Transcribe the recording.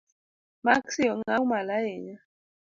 Maksi ong’aw malo ahinya?